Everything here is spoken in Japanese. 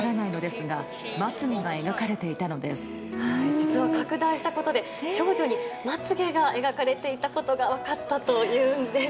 実は拡大したことで、少女にまつ毛が描かれていたことが分かったというんです。